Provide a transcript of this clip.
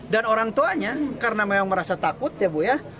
dan orang tuanya karena memang merasa takut ya bu ya